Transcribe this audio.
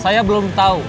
saya belum tau